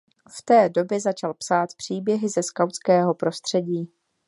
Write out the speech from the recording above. V té době začal psát příběhy ze skautského prostředí.